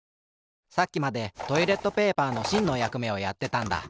さっきまでトイレットペーパーのしんのやくめをやってたんだ。